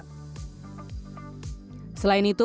selain itu penjualan tiga jalan berbeda